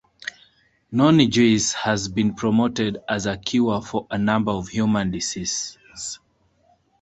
Noni juice has been promoted as a cure for a number of human diseases.